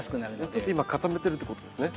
ちょっと今固めてるということですね。